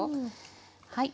はい。